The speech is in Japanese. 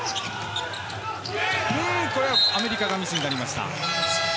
アメリカがミスになりました。